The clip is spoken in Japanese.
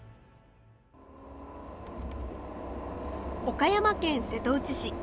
岡山県瀬戸内市。